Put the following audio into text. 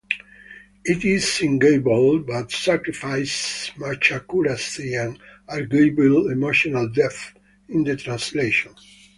It is singable but sacrifices much accuracy and arguably emotional depth in the translation.